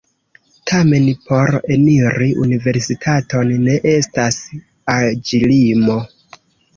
Tamen por eniri universitaton ne estas aĝlimo.